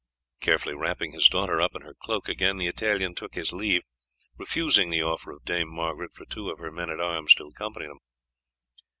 Carefully wrapping his daughter up in her cloak again, the Italian took his leave, refusing the offer of Dame Margaret for two of her men at arms to accompany them.